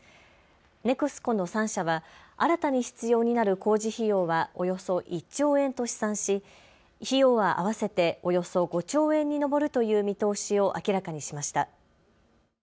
ＮＥＸＣＯの３社は新たに必要になる工事費用はおよそ１兆円と試算し費用は合わせておよそ５兆円に上るという見通しを明らかにしました。